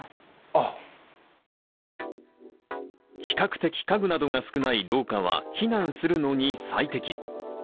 比較的家具などが少ない廊下は避難するのに最適。